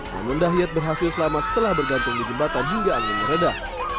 namun dahyat berhasil selamat setelah bergantung di jembatan hingga angin meredah